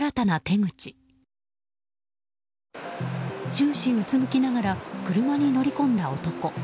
終始うつむきながら車に乗り込んだ男。